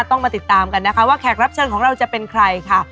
ต้องมาติดตามกันนะคะว่าแขกรับเชิญของเราจะเป็นใครค่ะ